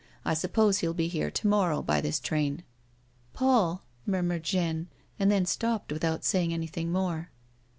I sup pose he'll be here to morrow, by this train." A WOMAN'S LIFE. 251 " Paul— " murmured Jeanne, and then stopped without saying anything more.